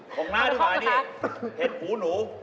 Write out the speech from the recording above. ของน้าดีกว่านี่เห็ดหูหนู